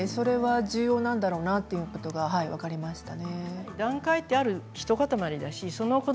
それは重要なんだろうなということが分かりました。